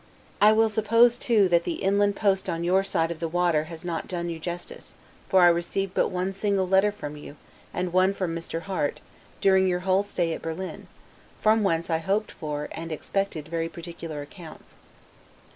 I will suppose too, that the inland post on your side of the water has not done you justice; for I received but one single letter from you, and one from Mr. Harte, during your whole stay at Berlin; from whence I hoped for, and expected very particular accounts.